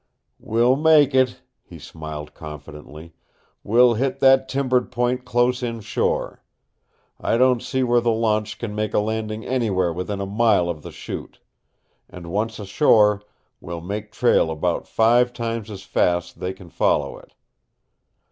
"We'll make it," he smiled confidently. "We'll hit that timbered point close inshore. I don't see where the launch can make a landing anywhere within a mile of the Chute. And once ashore we'll make trail about five times as fast they can follow it."